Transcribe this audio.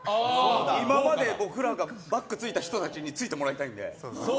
今まで僕らがバックついた人たちについてもらいたいので。